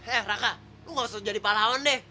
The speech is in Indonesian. eh raka lu gak usah jadi pahlawan deh